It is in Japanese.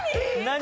何？